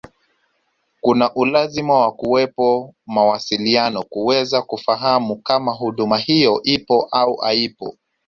kuna ulazima wa kuwepo mawasiliano kuweza kufahamu kama huduma hiyo ipo au haipo